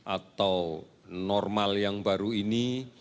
atau normal yang baru ini